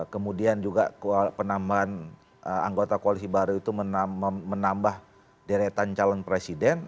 kemudian juga penambahan anggota koalisi baru itu menambah deretan calon presiden